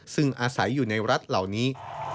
ซึ่งอาศัยอยู่ในรัฐเหล่านี้